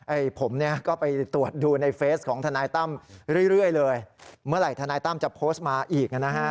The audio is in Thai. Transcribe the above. ผมเนี่ยก็ไปตรวจดูในเฟสของทนายตั้มเรื่อยเลยเมื่อไหร่ทนายตั้มจะโพสต์มาอีกนะฮะ